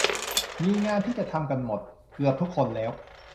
มีงานที่จะทำกันหมด เกือบทุกคนแล้ว